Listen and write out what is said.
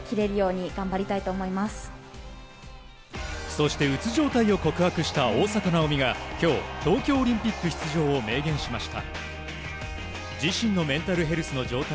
そして、うつ状態を告白した大坂なおみが今日、東京オリンピック出場を明言しました。